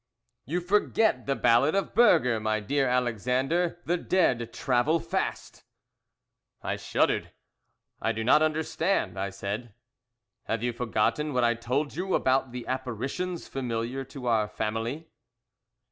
"You forget the ballad of Burger, my dear Alexander the dead travel fast!" I shuddered! "I do not understand," I said. "Have you forgotten what I told you about the apparitions familiar to our family?"